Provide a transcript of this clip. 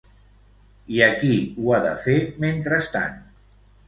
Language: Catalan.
I a qui ho ha de fer mentrestant?